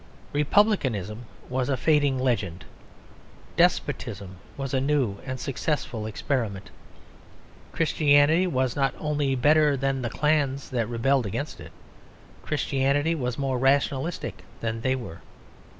Republicanism was a fading legend; despotism was a new and successful experiment. Christianity was not only better than the clans that rebelled against it; Christianity was more rationalistic than they were.